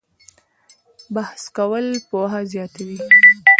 بحث کول پوهه زیاتوي؟